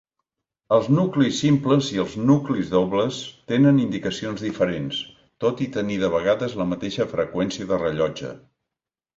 Els nuclis simples i els nuclis dobles tenen indicacions diferents, tot i tenir de vegades la mateixa freqüència de rellotge.